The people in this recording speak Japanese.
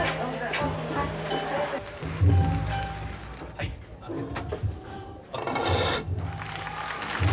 はい開けて。